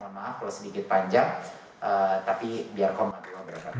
mohon maaf kalau sedikit panjang tapi biar komentar